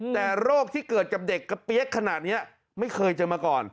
แต่โรคที่เกิดกับเด็กกระเปี๊ยกขนาดนี้ไม่เคยเจอมาก่อน